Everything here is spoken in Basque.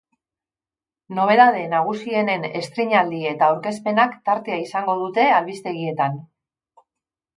Nobedade nagusienen estrainaldi eta aurkezpenak tartea izango dute albistegietan.